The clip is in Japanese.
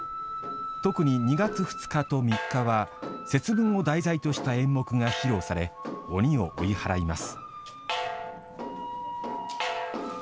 特に２月２日と３日は「節分」を題材とした演目が披露され、鬼を追い払います。